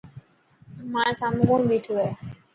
مائي سامون ڪوڻ بيٺو هي.